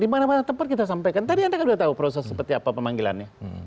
dimana mana tempat kita sampaikan tadi anda kan udah tau proses seperti apa pemanggilannya